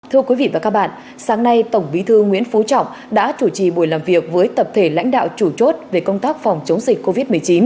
thưa quý vị và các bạn sáng nay tổng bí thư nguyễn phú trọng đã chủ trì buổi làm việc với tập thể lãnh đạo chủ chốt về công tác phòng chống dịch covid một mươi chín